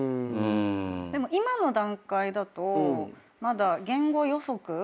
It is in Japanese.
でも今の段階だとまだ言語予測。